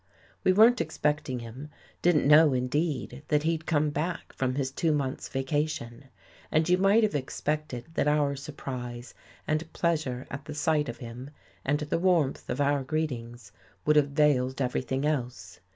We weren't expecting him; didn't know, in deed, that he'd come back from his two months' vaca tion. And you might have expected that our sur prise and pleasure at the sight of him and the warmth of our greetings, would have veiled every thing else.